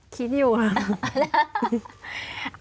คิดอยู่อะ